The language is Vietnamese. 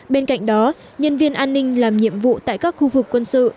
bên cạnh đó nhân viên an ninh làm nhiệm vụ tại các khu vực quân sự